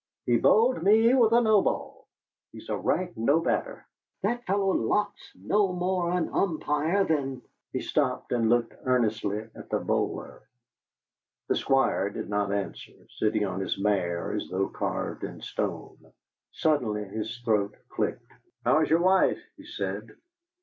He bowled me with a no ball. He's a rank no batter. That fellow Locke's no more an umpire than " He stopped and looked earnestly at the bowler. The Squire 'did not answer, sitting on his mare as though carved in stone. Suddenly his throat clicked. "How's your wife?" he said.